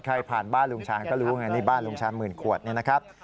ผ่านบ้านลุงชาญก็รู้ไงนี่บ้านลุงชาญหมื่นขวดนี่นะครับ